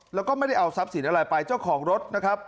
แล้วก็ไม่ได้เอาทรัพย์สินอะไรไปเจ้าของรถนะครับ